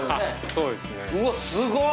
そうです。